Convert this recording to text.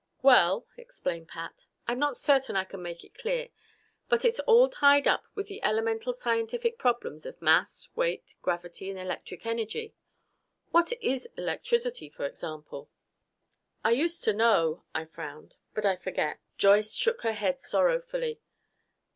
"Well," explained Pat, "I'm not certain I can make it clear, but it's all tied in with the elemental scientific problems of mass, weight, gravity and electric energy. What is electricity, for example " "I used to know," I frowned. "But I forget." Joyce shook her head sorrowfully.